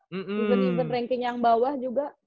event event ranking yang bawah juga